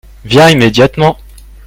viens immédiatement.